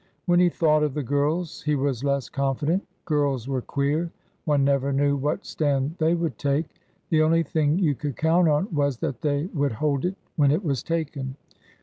When he thought of the girls he was less confident. Girls were queer. One never knew what stand they would take. The only thing you could count on was that they would hold it when it was taken.